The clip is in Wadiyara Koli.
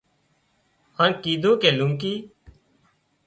هانَ ڪيڌون ڪي لونڪي